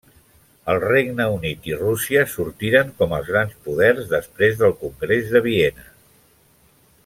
El Regne Unit i Rússia sortiren com als grans poders després del Congrés de Viena.